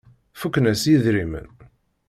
Fuken-as yidrimen.